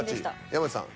山内さん。